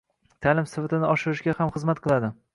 Ta’lim sifatini oshirishga ham xizmat qiladi.